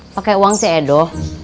pakai uang cik edo